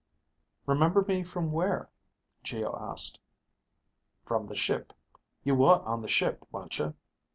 "Remember me from where?" Geo asked. "From the ship. You were on the ship, weren't you?"